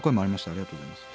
ありがとうございます。